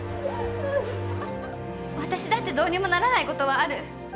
私だってどうにもならないことはある。